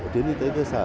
tuyến y tế cơ sở